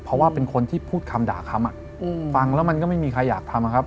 เพราะว่าเป็นคนที่พูดคำด่าคำฟังแล้วมันก็ไม่มีใครอยากทำนะครับ